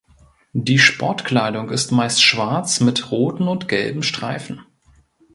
Die Sportkleidung ist meist schwarz mit roten und gelben Streifen.